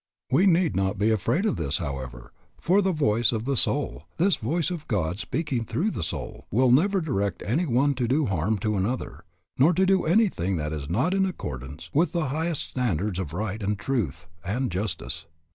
We need not be afraid of this, however, for the voice of the soul, this voice of God speaking through the soul, will never direct one to do harm to another, nor to do anything that is not in accordance with the highest standards of right, and truth, and justice.